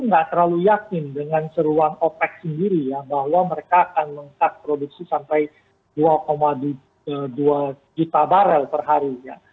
nggak terlalu yakin dengan seruan opec sendiri ya bahwa mereka akan lengkap produksi sampai dua dua juta barel perharinya